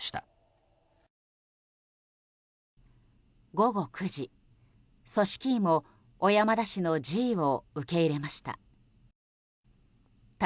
午後９時組織委も小山田氏の辞意を受け入れました。